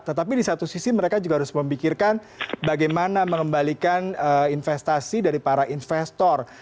tetapi di satu sisi mereka juga harus memikirkan bagaimana mengembalikan investasi dari para investor